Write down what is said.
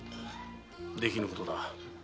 できぬことだ。